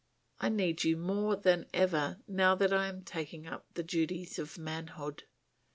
I need you more than ever now that I am taking up the duties of manhood.